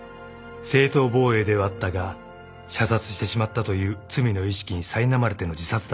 ［正当防衛ではあったが射殺してしまったという罪の意識にさいなまれての自殺だった］